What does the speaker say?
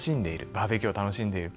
バーベキューを楽しんでいる。